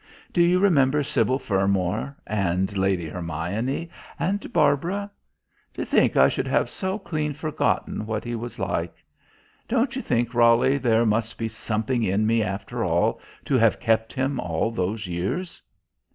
Do you remember Sybil Fermor, and Lady Hermione and Barbara? To think I should have so clean forgotten what he was like.... Don't you think, Roly, there must be something in me, after all, to have kept him all those years?"